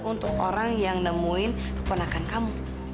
untuk orang yang nemuin keponakan kamu